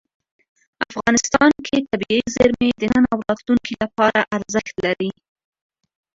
افغانستان کې طبیعي زیرمې د نن او راتلونکي لپاره ارزښت لري.